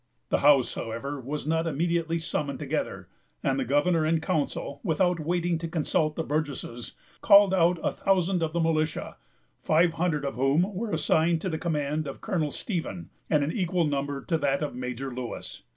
The House, however, was not immediately summoned together; and the governor and council, without waiting to consult the Burgesses, called out a thousand of the militia, five hundred of whom were assigned to the command of Colonel Stephen, and an equal number to that of Major Lewis.